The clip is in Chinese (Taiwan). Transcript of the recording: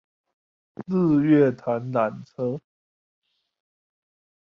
日月潭纜車